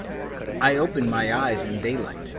I opened my eyes in daylight.